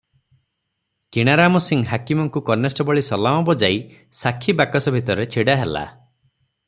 କିଣାରାମ ସିଂ ହାକିମଙ୍କୁ କନେଷ୍ଟବଳୀ ସଲାମ ବଜାଇ ସାକ୍ଷୀ ବାକସ ଭିତରେ ଛିଡା ହେଲା ।